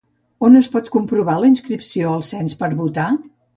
On es pot comprovar la inscripció al cens per a votar?